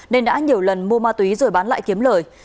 nên đã nhiều lần mua ma túy rồi bán lại kiếm lời